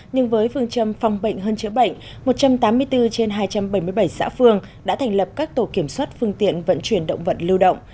nhưng với phương châm phòng bệnh hơn chữa bệnh một trăm tám mươi bốn trên hai trăm bảy mươi bảy xã phương đã thành lập các tổ kiểm soát phương tiện vận chuyển động vật lưu động